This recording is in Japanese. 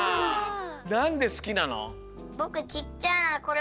なんですきなの？